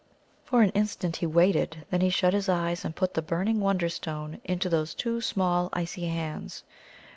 For an instant he waited, then he shut his eyes and put the burning Wonderstone into those two small icy hands.